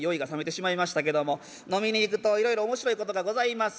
飲みに行くといろいろ面白いことがございます。